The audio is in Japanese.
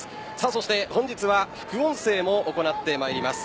そして本日は副音声も行ってまいります。